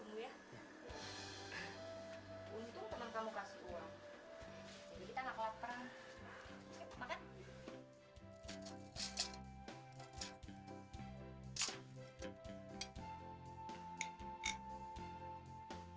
untung teman kamu kasih uang